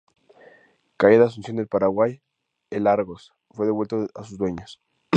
Caída Asunción del Paraguay, el "Argos" fue devuelto a sus dueños.